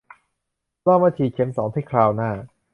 รอมาฉีดเข็มที่สองคราวหน้า